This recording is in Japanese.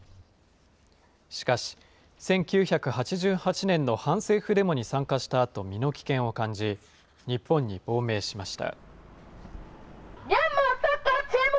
しかし、１９８８年の反政府デモに参加したあと、身の危険を感じ、日本に亡命しました。